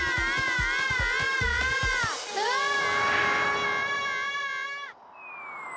うわあ！